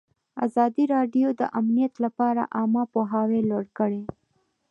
ازادي راډیو د امنیت لپاره عامه پوهاوي لوړ کړی.